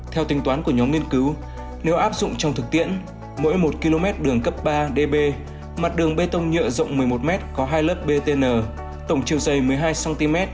theo tính toán của nhóm nghiên cứu nếu áp dụng trong thực tiễn mỗi một km đường cấp ba db mặt đường bê tông nhựa rộng một mươi một m có hai lớp btn tổng chiều dày một mươi hai cm